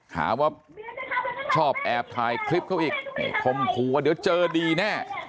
หาว่าชอบแอบถ่ายคลิปเขาอีกคมคู่ว่าเดี๋ยวเจอดีแน่